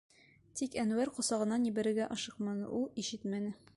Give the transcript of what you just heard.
Тик Әнүәр ҡосағынан ебәрергә ашыҡманы, ул ишетмәне.